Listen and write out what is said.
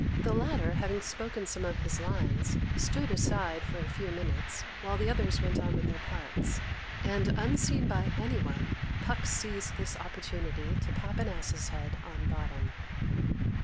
The latter, having spoken some of his lines, stood aside for a few minutes, while the others went on with their parts, and, unseen by anyone, Puck seized this opportunity to pop an ass's head on Bottom.